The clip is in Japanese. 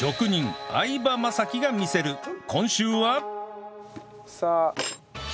今週は